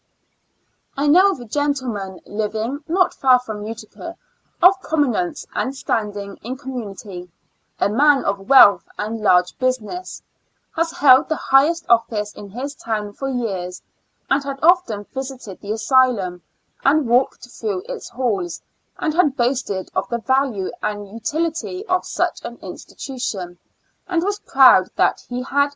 I know a gentlemen living not far from Utica, of prominence and standing in com munity — a man of wealth and large busi ness — has held the highest office in his town for years, and had often visited the asylum, and walked through its halls, and had boasted of the value and utility of such an institution, and was proud that he had.